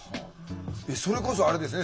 それこそあれですよね